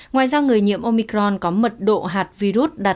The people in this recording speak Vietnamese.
ngoài ra người nhiễm omicron có mật độ hạt virus đạt đỉnh thấp hơn